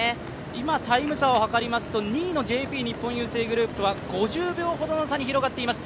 今、タイム差をはかりますと２位のＪＰ日本郵政グループは５０秒ほどの差に広がっています。